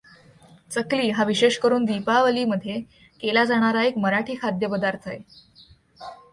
चकली हा विशेषकरून दीपावलीमध्ये केला जाणारा एक मराठी खाद्यपदार्थ आहे.